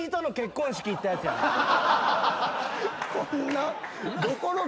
こんな。